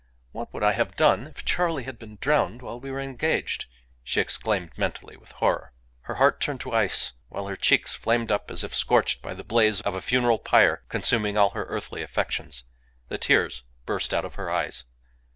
"What would I have done if Charley had been drowned while we were engaged?" she exclaimed, mentally, with horror. Her heart turned to ice, while her cheeks flamed up as if scorched by the blaze of a funeral pyre consuming all her earthly affections. The tears burst out of her eyes.